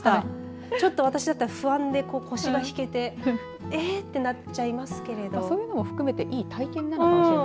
ちょっと私だったら不安で腰が引けてえってなっちゃいますけれどそういうのも含めていい体験だなと。